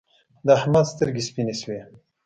د احمد سترګې سپينې شوې.